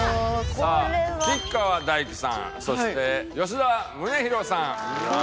さあ吉川大貴さんそして吉田宗洋さん。